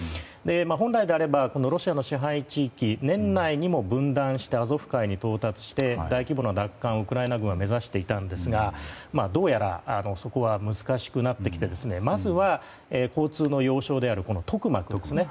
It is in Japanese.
本来であれば、ロシアの支配地域年内にも分断してアゾフ海に到達して大規模な奪還をウクライナ軍は目指していましたがどうやらそこは難しくなってきてまずは交通の要衝であるトクマクですね。